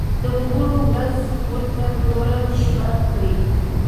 د وګړو ورځ ورته توره شپه کړي.